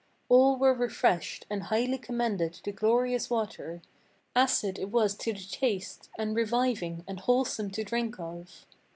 All were refreshed, and highly commended the glorious water; Acid it was to the taste, and reviving, and wholesome to drink of.